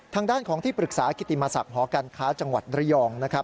ทางด้านของที่ปรึกษากิติมศักดิ์หอการค้าจังหวัดระยองนะครับ